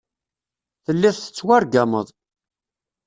Telliḍ tettwargameḍ.